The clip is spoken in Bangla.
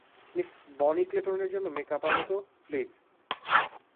মিস বনি ক্লেটনের জন্য মেকআপ আনো তো, প্লিজ।